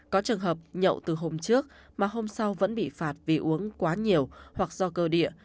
có trường hợp nhậu từ hôm trước mà hôm sau vẫn bị phạt vì uống quá nhiều hoặc do cơ địa